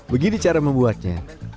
begini cara membuatnya